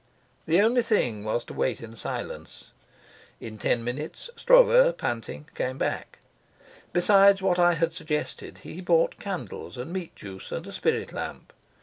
The only thing was to wait in silence. In ten minutes Stroeve, panting, came back. Besides what I had suggested, he brought candles, and meat juice, and a spirit lamp.